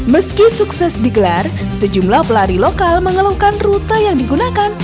meski sukses digelar sejumlah pelari lokal mengeluhkan rute yang digunakan